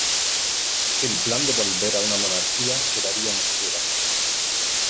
El plan de volver a una monarquía quedaría en espera.